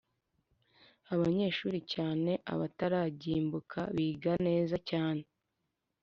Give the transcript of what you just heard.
abanyeshuri cyane abataragimbuka biga neza cyane